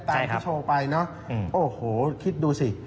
ที่โชว์ไปเนอะโอ้โหคิดดูสิ